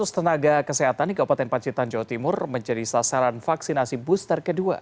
dua ratus tenaga kesehatan di kabupaten pacitan jawa timur menjadi sasaran vaksinasi booster kedua